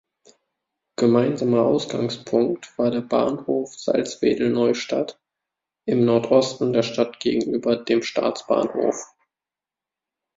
Gemeinsamer Ausgangspunkt war der Bahnhof Salzwedel-Neustadt im Nordosten der Stadt gegenüber dem Staatsbahnhof.